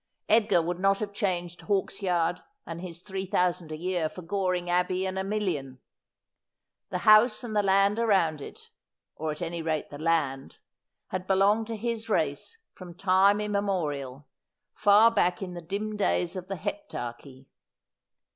Edgar would not have changed Hawksyard and his three thousand a year for Gor ing Abbey and a million. The house and the land around it — or at any rate the land — had belonged to his race from time im memorial, far back in the dim days of the Heptarchy.